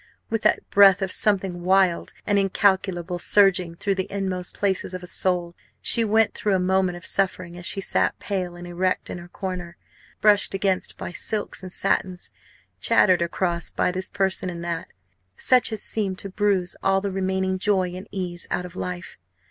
with that breath of something wild and incalculable surging through the inmost places of the soul, she went through a moment of suffering as she sat pale and erect in her corner brushed against by silks and satins, chattered across by this person and that such as seemed to bruise all the remaining joy and ease out of life.